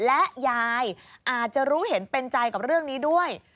และยายอาจจะรู้เห็นเป็นใจกับเรื่องนี้ด้วย